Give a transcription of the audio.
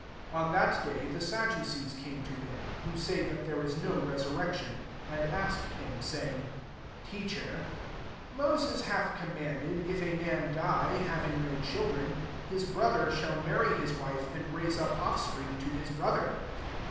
23 On that day, the Saddu :ees came to him, who say that iiere is no resurrection; and isked him, saying, "Teacher, Moses hath commanded, If a nn die, having no children, his )rother shall marry his wife, ind raise up offspring to his )rother.